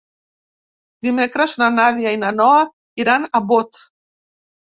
Dimecres na Nàdia i na Noa iran a Bot.